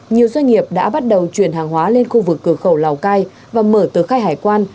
nhiều doanh nghiệp đã bắt đầu chuyển hàng hóa lên khu vực cửa khẩu lào cai và mở tờ khai hải quan